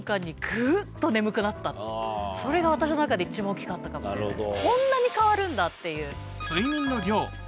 それが私の中で一番大きかったかもしれないです。